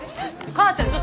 母ちゃん。